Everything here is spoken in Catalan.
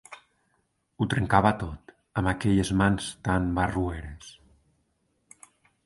Ho trencava tot, amb aquelles mans tan barroeres.